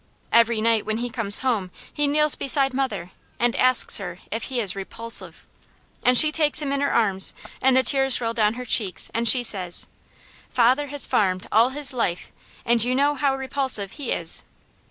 Every night when he comes home, he kneels beside mother and asks her if he is 'repulsive,' and she takes him in her arms and the tears roll down her cheeks and she says: 'Father has farmed all his life, and you know how repulsive he is.'"